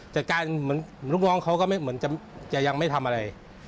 จัดการเหมือนลูกน้องเขาก็ยังไม่ทำอะไร